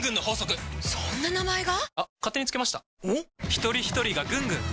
ひとりひとりがぐんぐん！